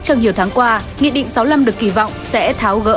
trong nhiều tháng qua nghị định sáu mươi năm được kỳ vọng sẽ tháo gỡ